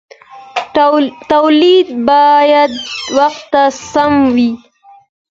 تولید باید وخت ته سم وي.